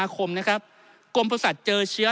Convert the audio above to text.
กลมประศัตริย์เจอเชื้อ